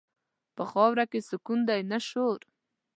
په خاورو کې سکون دی، نه شور.